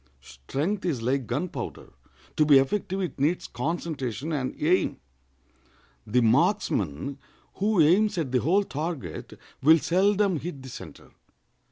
Strength is like gunpowder: to be effective it needs concentration and aim. The marksman who aims at the whole target will seldom hit the center.